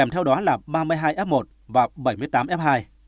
theo đó là ba mươi hai f một và bảy mươi tám f hai